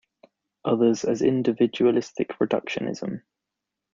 Others as individualistic reductionism.